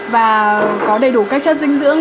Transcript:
và có đầy đủ các chất dinh dưỡng